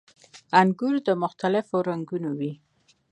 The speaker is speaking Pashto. • انګور د مختلفو رنګونو وي.